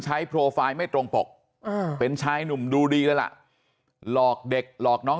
โปรไฟล์ไม่ตรงปกเป็นชายหนุ่มดูดีเลยล่ะหลอกเด็กหลอกน้อง